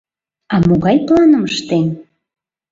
А могай планым ыштен?